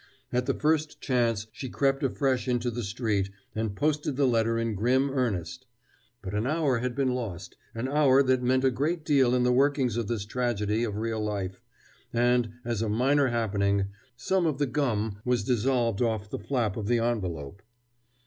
At the first chance she crept afresh into the street, and posted the letter in grim earnest. But an hour had been lost, an hour that meant a great deal in the workings of this tragedy of real life and, as a minor happening, some of the gum was dissolved off the flap of the envelope.